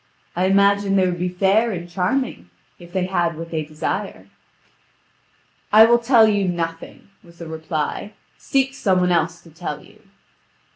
I imagine they would be fair and charming, if they had what they desire." "I will tell you nothing," was the reply; "seek some one else to tell you."